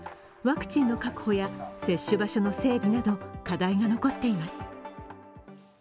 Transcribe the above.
ワクチンの確保や接種場所の整備など課題が残っています。